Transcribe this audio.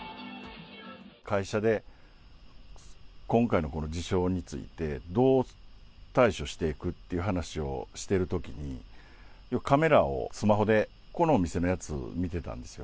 会社で、今回のこの事象について、どう対処していくっていう話をしてるときに、カメラをスマホで、ここのお店のやつ見てたんですよ。